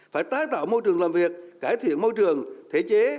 phải tái tạo môi trường làm việc cải thiện môi trường thể chế